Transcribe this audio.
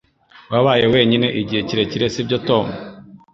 Wabaye wenyine igihe kirekire, sibyo, Tom?